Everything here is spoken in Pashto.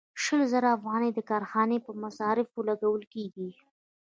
شل زره افغانۍ د کارخانې په مصارفو لګول کېږي